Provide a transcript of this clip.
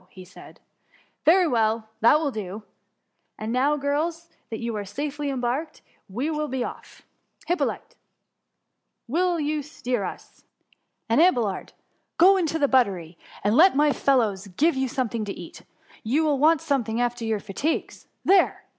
so, said he, " very well ! that will do, — and now girls, that you are safely embarked, we will be off. Hyppolite ! you will steer us :— and, Abelard, go you into the buttery, and let my fellows give you something to eat ; you will want something after your fatigues. There